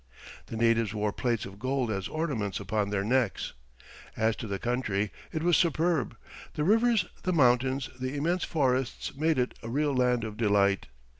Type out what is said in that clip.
The natives wore plates of gold as ornaments upon their necks. As to the country, it was superb; the rivers, the mountains, the immense forests made it a real land of delight.